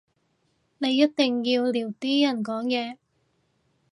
你一定要撩啲人講嘢